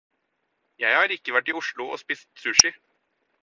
Jeg har ikke vært i Oslo og spist sushi.